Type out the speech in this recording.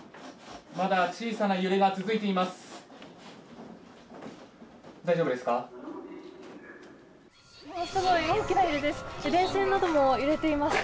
まだ小さな揺れが続いています。